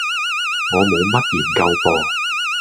我冇乜研究噃